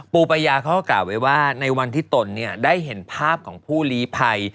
ปูปายาเขาก็กล่าวไว้ว่าในวันที่ตนได้เห็นภาพของผู้ลีภัย